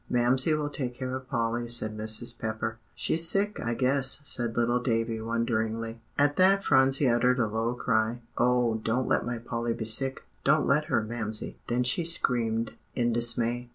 "Mamsie will take care of Polly," said Mrs. Pepper. "She's sick, I guess," said little Davie wonderingly. At that Phronsie uttered a low cry, "Oh, don't let my Polly be sick don't let her, Mamsie!" then she screamed in dismay.